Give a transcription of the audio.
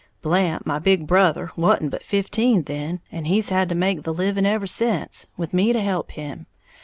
Blant, my big brother, wa'n't but fifteen then, and he's had to make the living ever sence, with me to help him.